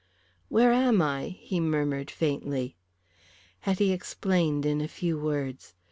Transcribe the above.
"Where am I?" he murmured, faintly. Hetty explained in a few words.